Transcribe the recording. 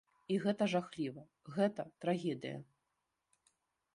І гэта жахліва, гэта трагедыя.